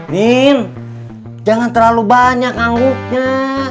mim jangan terlalu banyak ngangguknya